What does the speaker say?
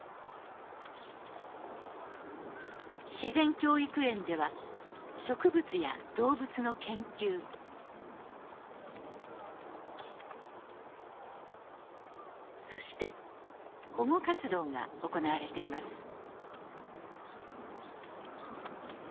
自然教育園では植物や動物の研究そして保護活動が行われています